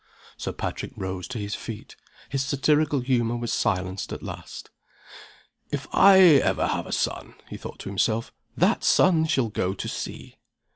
Sir Patrick rose to his feet; his satirical humor was silenced at last. "If ever I have a son," he thought to himself, "that son shall go to sea!"